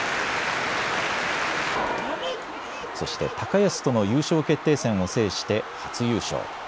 そして高安との優勝決定戦を制して初優勝。